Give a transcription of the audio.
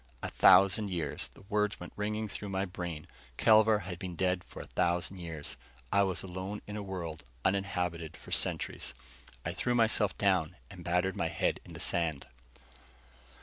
A thousand years! The words went ringing through my brain. Kelvar had been dead for a thousand years. I was alone in a world uninhabited for centuries. I threw myself down and battered my head in the sand.